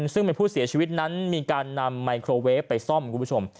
ซึ่งเป็นผู้เสียชีวิตนั้นมีการนำไมโครเวฟไปซ่อมคุณผู้ชม